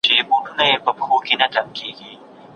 خواړه د ورځې پلان پورې تړاو لري.